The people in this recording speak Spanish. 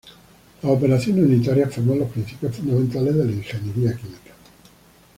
Las operaciones unitarias forman los principios fundamentales de la ingeniería química.